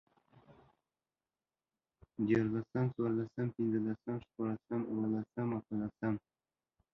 ديارلسمو، څوارلسمو، پنځلسمو، شپاړسمو، اوولسمو، اتلسمو